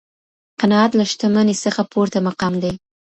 قناعت له شتمنۍ څخه پورته مقام دی.